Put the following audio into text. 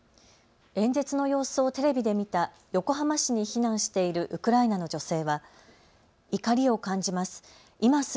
演説の様子をテレビで見た横浜市に避難しているウクライナの女性は怒りを感じます。